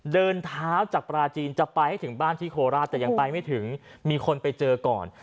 เดินเท้าจากปลาจีนจะไปให้ถึงบ้านที่โคราชแต่ยังไปไม่ถึงมีคนไปเจอก่อน